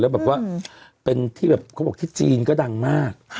แบบว่าเป็นที่แบบเขาบอกที่จีนก็ดังมาก